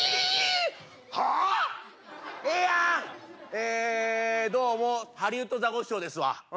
えどうもハリウッドザコシショウですわ。